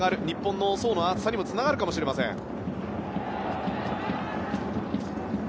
日本の層の厚さにもつながるかもしれません。